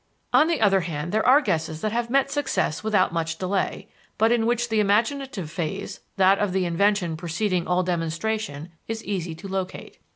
On the other hand, there are guesses that have met success without much delay, but in which the imaginative phase that of the invention preceding all demonstration is easy to locate.